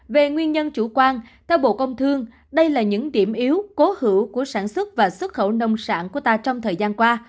về nguyên nhân chủ quan theo bộ công thương đây là những điểm yếu cố hữu của sản xuất và xuất khẩu nông sản của ta trong thời gian qua